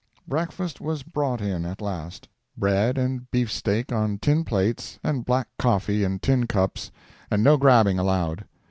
Breakfast was brought in at last—bread and beefsteak on tin plates, and black coffee in tin cups, and no grabbing allowed.